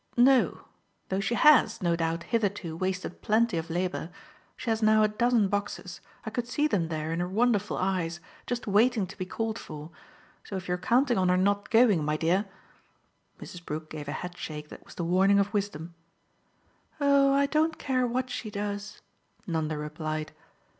"No though she HAS, no doubt, hitherto wasted plenty of labour. She has now a dozen boxes I could see them there in her wonderful eyes just waiting to be called for. So if you're counting on her not going, my dear !" Mrs. Brook gave a head shake that was the warning of wisdom. "Oh I don't care what she does!" Nanda replied.